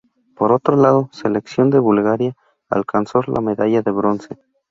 Por otro lado, selección de Bulgaria alcanzó la medalla de bronce.